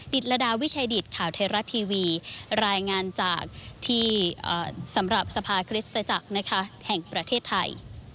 ดิดละดาวิชาดิดข่าวเทราะทีวีรายงานที่สำหรับสภาคริสตจักรแห่งประเทศไทย